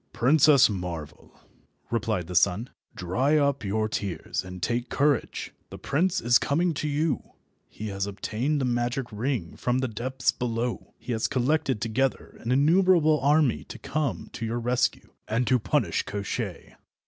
"Princess Marvel," replied the sun, "dry up your tears and take courage. The prince is coming to you. He has obtained the magic ring from the depths below; he has collected together an innumerable army to come to your rescue, and to punish Koshchei.